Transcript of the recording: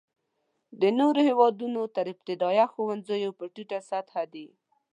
د نورو هېوادونو تر ابتدایه ښوونځیو په ټیټه سطحه دی.